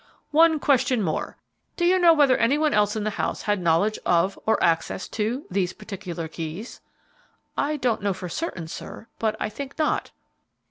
"One question more. Do you know whether any one else in the house had knowledge of or access to, these particular keys?" "I don't know for certain, sir, but I think not."